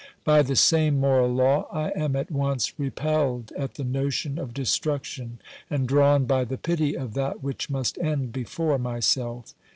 By the same moral law, I am at once repelled at the notion of destruction and drawn by the pity of that which must end before myself.